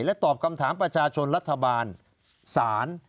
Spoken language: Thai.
และตอบคำถามประชาชนรัฐบาลสาร